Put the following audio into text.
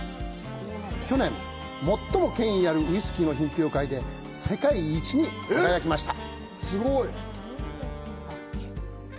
去年、最も権威あるウイスキーの品評会で世界一に輝きました。